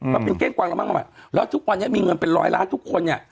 มันเป็นเก้งกวางกันมากมายแล้วทุกวันนี้มีเงินเป็นร้อยล้านทุกคนเนี่ย